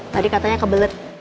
tadi katanya kebelet